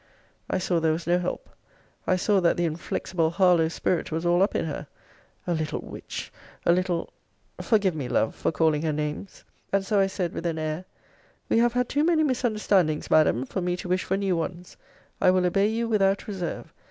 I saw there was no help. I saw that the inflexible Harlowe spirit was all up in her. A little witch! A little Forgive me, Love, for calling her names! And so I said, with an air, We have had too many misunderstandings, Madam, for me to wish for new ones: I will obey you without reserve.